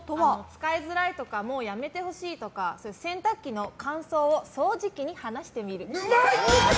使いづらいとかもうやめてほしいとかそういう洗濯機のカンソウをソウジキに話してみる。